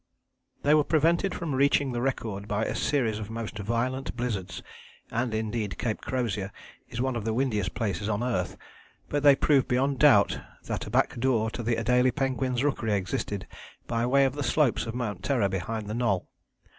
They were prevented from reaching the record by a series of most violent blizzards, and indeed Cape Crozier is one of the windiest places on earth, but they proved beyond doubt that a back door to the Adélie penguins' rookery existed by way of the slopes of Mount Terror behind the Knoll.